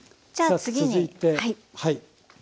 さあ続いてはい。